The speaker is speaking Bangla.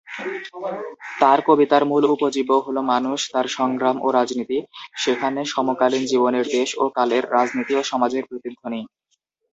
তার কবিতার মূল উপজীব্য হল মানুষ, তার সংগ্রাম ও রাজনীতি, সেখানে সমকালীন জীবনের, দেশ ও কালের, রাজনীতি ও সমাজের প্রতিধ্বনি।